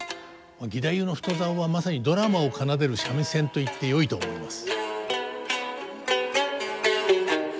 義太夫の太棹はまさにドラマを奏でる三味線といってよいと思います。